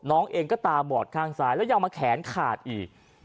น้องเองก็ตาบอดข้างซ้ายแล้วยังมาแขนขาดอีก